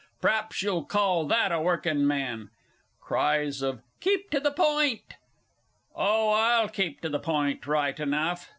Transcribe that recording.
Praps you'll call that a Workin' Man? (Cries of "Keep to the Point!") Oh, I'll keep to the point right enough.